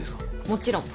もちろん。